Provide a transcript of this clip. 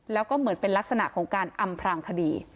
แล้วก็เหมือนเป็นลักษณะของการอำพรางคดี